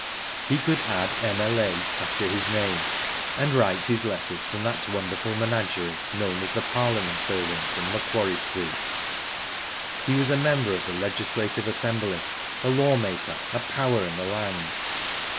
He could add M.L.A. after his name and write his letters from that wonderful menagerie, known as the Parliament Buildings, in Macquarie Street. He was a member of the Legislative Assembly, a law maker, a power in the land.